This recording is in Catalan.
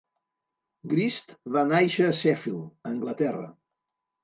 Grist va nàixer a Sheffield, Anglaterra.